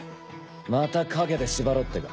また影で縛ろうってか？